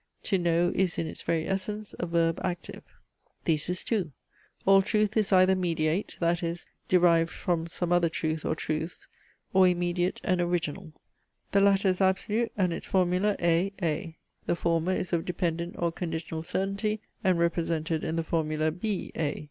To know is in its very essence a verb active. THESIS II All truth is either mediate, that is, derived from some other truth or truths; or immediate and original. The latter is absolute, and its formula A. A.; the former is of dependent or conditional certainty, and represented in the formula B. A.